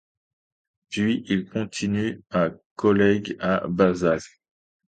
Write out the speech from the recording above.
Puis, il continue au collège à Bazas.